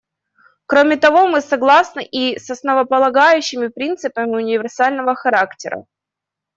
Кроме того, мы согласны и с основополагающими принципами универсального характера.